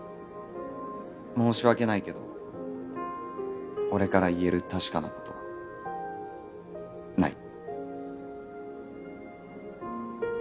申し訳ないけど俺から言える確かなことはない。